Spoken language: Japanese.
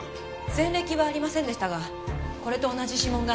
前歴はありませんでしたがこれと同じ指紋が。